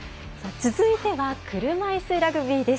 続いては車いすラグビーです。